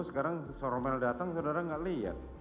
sekarang romel datang saudara gak lihat